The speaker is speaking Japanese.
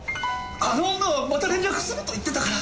あの女はまた連絡すると言ってたから！